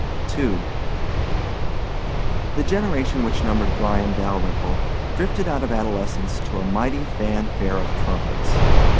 II The generation which numbered Bryan Dalyrimple drifted out of adolescence to a mighty fan fare of trumpets.